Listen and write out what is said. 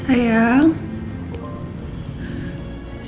sampai jumpa lagi